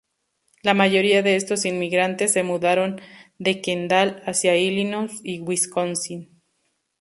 La mayoría de estos inmigrantes se mudaron de Kendall hacia Illinois y Wisconsin.